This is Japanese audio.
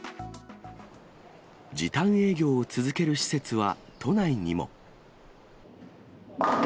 時短営業を続ける施設は都内にも。